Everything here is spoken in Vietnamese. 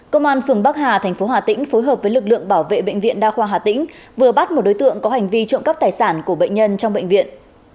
công an phường bắc hà thành phố hà tĩnh phối hợp với lực lượng bảo vệ bệnh viện đa khoa hà tĩnh vừa bắt một đối tượng có hành vi trộm cắp tài sản của bệnh nhân trong bệnh viện